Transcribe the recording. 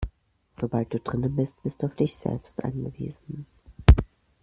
Sobald du drinnen bist, bist du auf dich selbst angewiesen.